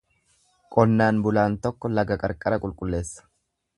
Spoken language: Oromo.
Qonnaan bulaan tokko laga qarqara qulqulleessa.